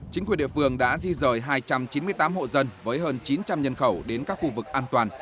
chính quyền địa phương đã di rời hai trăm chín mươi tám hộ dân với hơn chín trăm linh nhân khẩu đến các khu vực an toàn